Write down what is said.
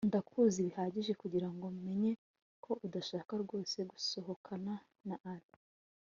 ndakuzi bihagije kugirango menye ko udashaka rwose gusohokana na alain